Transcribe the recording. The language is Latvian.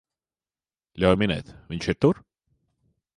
Ļauj minēt, viņš ir tur?